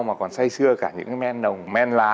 mà còn xây xưa cả những men nồng men lá